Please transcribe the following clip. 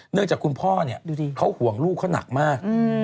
จากคุณพ่อเนี่ยเขาห่วงลูกเขาหนักมาก